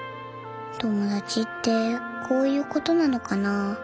友達ってこういうことなのかな。